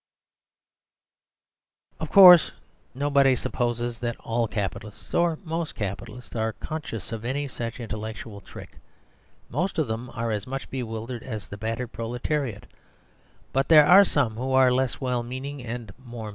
Of course, nobody supposes that all Capitalists, or most Capitalists, are conscious of any such intellectual trick. Most of them are as much bewildered as the battered proletariat; but there are some who are less well meaning and more mean.